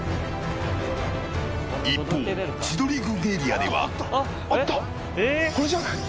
一方、千鳥軍エリアでは。